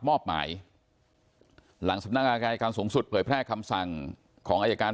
มอบหมายหลังสำนักงานอายการสูงสุดเผยแพร่คำสั่งของอายการ